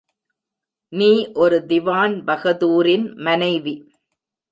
நீ ஒரு திவான் பகதூரின் மனைவி!